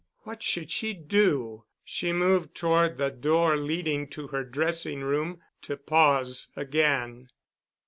What should she do? She moved toward the door leading to her dressing room—to pause again.